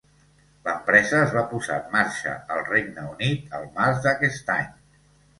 L'empresa es va posar en marxa al Regne Unit al març d'aquest any.